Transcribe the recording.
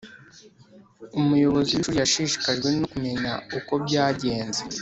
Umuyobozi w ishuri yashishikajwe no kumenya uko byagenze